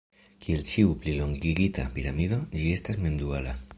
Kiel ĉiu plilongigita piramido, ĝi estas mem-duala.